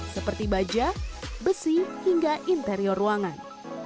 seperti baja besi hingga interior ruangan